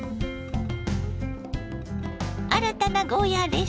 新たなゴーヤーレシピ